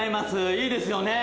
いいですよね！